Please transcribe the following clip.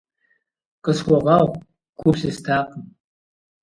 Къысхуэгъэгъу, гу плъыстакъым.